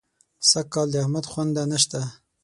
سږکال د احمد خونده نه شته.